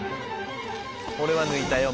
俺は抜いたよ